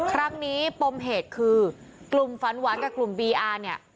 ครั้งนี้ปมเหตุคือกลุ่มฟันว้านกับดีอาร์นี่